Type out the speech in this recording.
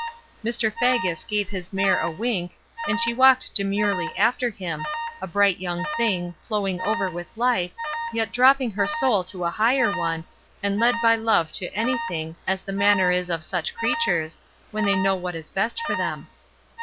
Mr. Faggus gave his mare a wink, and she walked demurely after him, a bright young thing, flowing over with life, yet dropping her soul to a higher one, and led by love to anything, as the manner is of such creatures, when they know what is best for them.